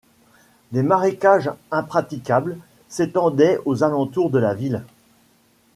Des marécages impraticables s’étendaient aux alentours de la ville.